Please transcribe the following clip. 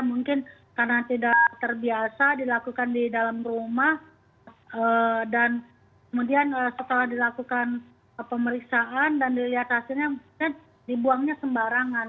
mungkin karena tidak terbiasa dilakukan di dalam rumah dan kemudian setelah dilakukan pemeriksaan dan dilihat hasilnya dibuangnya sembarangan